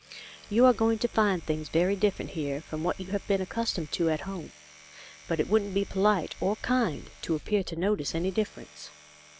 " You are going to find things very different here from what you have been accustomed to at home, but it wouldn't be polite or kind to appear to notice any difference.